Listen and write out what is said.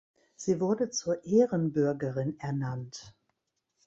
Sie wurde zur Ehrenbürgerin ernannt.